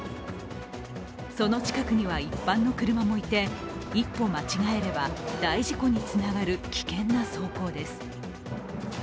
その近くには一般の車もいて一歩間違えれば大事故につながる危険な走行です。